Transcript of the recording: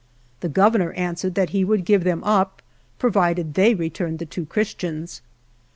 The Governor answered that he would give them up, provided they re turned the two Christians.